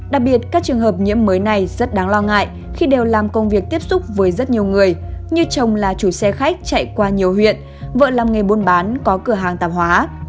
đặc biệt các trường hợp nhiễm mới này rất đáng lo ngại khi đều làm công việc tiếp xúc với rất nhiều người như chồng là chủ xe khách chạy qua nhiều huyện vợ làm nghề buôn bán có cửa hàng tạp hóa